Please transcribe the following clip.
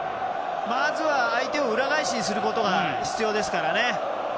まずは相手を裏返しにすることが必要ですからね。